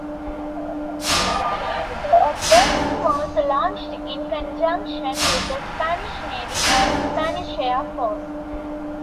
The operation was launched in conjunction with the Spanish Navy and Spanish Air Force.